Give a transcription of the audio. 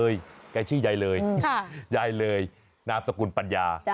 ใยเลยน้ำสกุลปัญญา